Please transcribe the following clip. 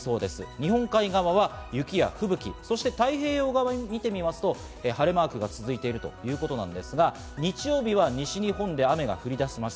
日本海側は雪や吹雪、太平洋側を見てみますと晴れマークが続いているということなんですが、日曜日は西日本で雨が降り出します。